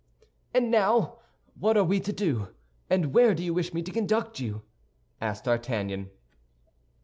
"And now what are we to do, and where do you wish me to conduct you?" asked D'Artagnan.